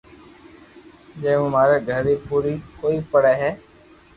جي مو ماري گھر ري پوري ڪوئي پڙي ھي